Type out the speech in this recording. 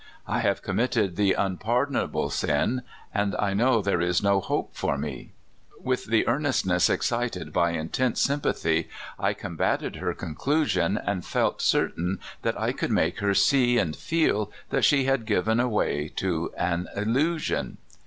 I have committed the unpardonable sin, and I know there is no hope for me." With the earnestness excited by intense sympa thy, I combated her conclusion, and felt certain that I could make her see and feel that she had given way to an illusion.